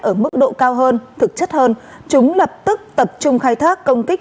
ở mức độ cao hơn thực chất hơn chúng lập tức tập trung khai thác công kích